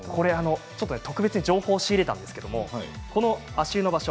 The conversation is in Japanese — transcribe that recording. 特別に情報を仕入れたんですけれどもこの足湯の場所